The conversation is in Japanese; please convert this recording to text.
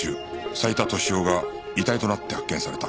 斉田利夫が遺体となって発見された